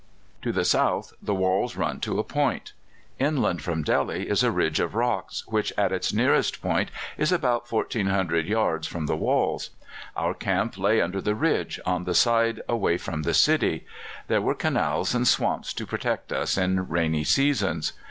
To the south the walls run to a point. Inland from Delhi is a ridge of rocks, which at its nearest point is about 1,400 yards from the walls. Our camp lay under the ridge, on the side away from the city; there were canals and swamps to protect us in rainy seasons.